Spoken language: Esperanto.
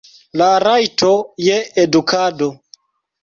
La rajto je edukado.